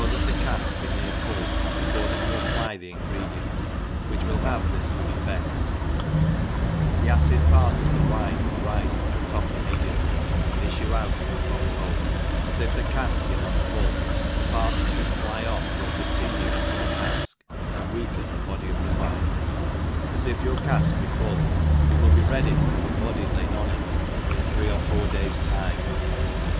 t the caOc be near Aill before you apply the ingredients, which will have this good effeft, the acid part of the wine will rife to the top immediately, and itbiB 6yti at the bung hole, but if the cade be not full, the part that Ihould fly off will continue in the cade, and weaken the body pf the wine, but if ypur cafk be full, it will be ready to have 9, body kid oii it in three or four days time.